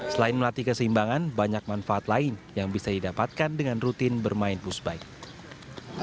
selain melatih keseimbangan banyak manfaat lain yang bisa didapatkan dengan rutin bermain pushbike